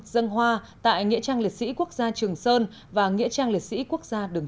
dân hoa tại nghĩa trang liệt sĩ quốc gia trường sơn và nghĩa trang liệt sĩ quốc gia đường